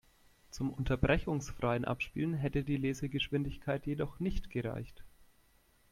Zum unterbrechungsfreien Abspielen hätte die Lesegeschwindigkeit jedoch nicht gereicht.